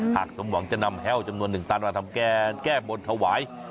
หากสมหวังจะนำแฮลล์จำนวน๑ตันมาทำแก้บนถวาย